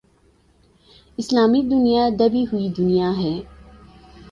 اسلامی دنیا دبی ہوئی دنیا ہے۔